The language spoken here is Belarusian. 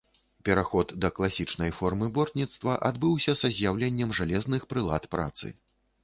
Пераход да класічнай формы бортніцтва адбыўся са з'яўленнем жалезных прылад працы.